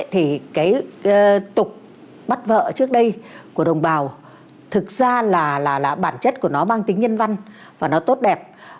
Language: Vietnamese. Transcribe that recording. thì cái tục bắt vợ trước đây của đồng bào thực ra là bản chất của nó mang tính nhân văn và nó tốt đẹp